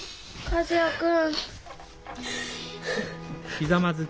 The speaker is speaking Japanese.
和也君！